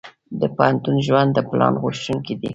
د پوهنتون ژوند د پلان غوښتونکی دی.